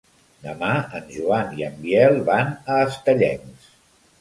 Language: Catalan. Demà en Joan i en Biel van a Estellencs.